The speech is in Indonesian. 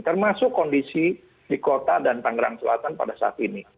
termasuk kondisi di kota dan tangerang selatan pada saat ini